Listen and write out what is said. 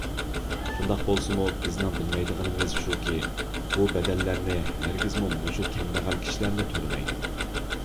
شۇنداق بولسىمۇ بىزنىڭ بىلمەيدىغىنىمىز شۇكى: بۇ بەدەللەرنى ھەرگىزمۇ مۇشۇ كەمبەغەل كىشىلەرلا تۆلىمەيدۇ.